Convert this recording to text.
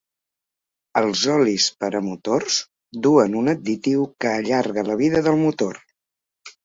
Els olis per a motors duen un additiu que allarga la vida del motor.